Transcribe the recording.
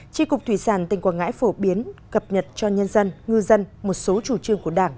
tri cục thủy sản tỉnh quảng ngãi phổ biến cập nhật cho nhân dân ngư dân một số chủ trương của đảng